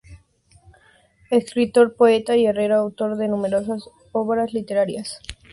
Escritor, poeta y herrero autor de numerosas obras literarias.